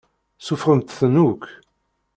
Suffɣemt-ten akk.